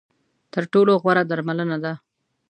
تر ټولو غوره درملنه ده .